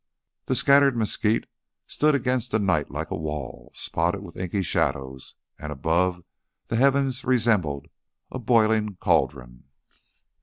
The scattered mesquite stood against the night like a wall, spotted with inky shadows, and, above, the heavens resembled a boiling caldron.